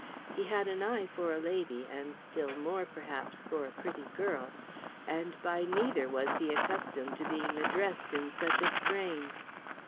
He had an eye for a lady, and still more, perhaps, for a pretty girl. And by neither was he accustomed to being addressed in such a strain.